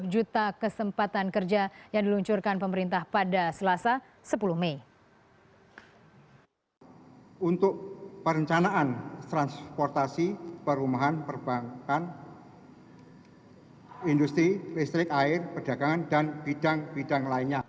sepuluh juta kesempatan kerja yang diluncurkan pemerintah pada selasa sepuluh mei